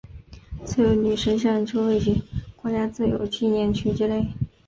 自由女神像就位于国家自由纪念区之内。